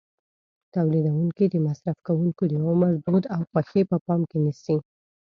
تولیدوونکي د مصرف کوونکو د عمر، دود او خوښې په پام کې نیسي.